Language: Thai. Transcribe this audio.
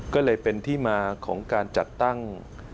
ก็เลยเป็นที่มาของการจัดตั้ง